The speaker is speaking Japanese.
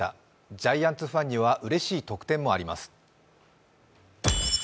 ジャイアンツファンにはうれしい特典もあります。